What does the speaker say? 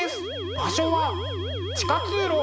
場所は地下通路。